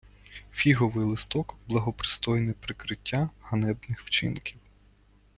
Фіговий листок — благопристойне прикриття ганебних вчинків